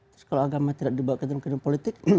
terus kalau agama tidak dibawa ke dalam gedung politik